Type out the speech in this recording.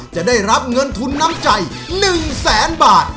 จะได้รับเงินทุนน้ำใจ๑แสนบาท